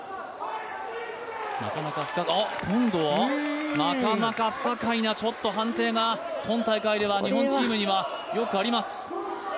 今度はなかなか不可解な判定が今大会では日本チームにはよくあります。